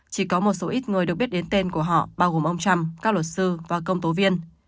chỉ có một số ít người được biết đến tên của họ bao gồm ông trump các luật sư và công tố viên